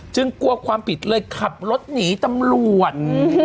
กลัวความผิดเลยขับรถหนีตำรวจ